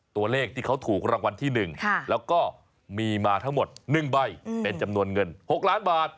ตัวเลขที่เขาถูกรางวัลที่๑แล้วก็มีมาทั้งหมด๑ใบเป็นจำนวนเงิน๖ล้านบาท